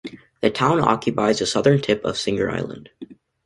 The town occupies the southern tip of Singer Island.